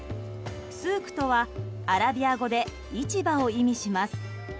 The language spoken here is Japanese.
スークとはアラビア語で市場を意味します。